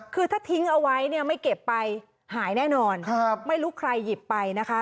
คือถ้าทิ้งเอาไว้เนี่ยไม่เก็บไปหายแน่นอนไม่รู้ใครหยิบไปนะคะ